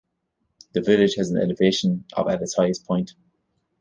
The village has an elevation of at its highest point.